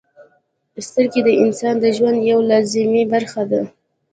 • سترګې د انسان د ژوند یوه لازمي برخه ده.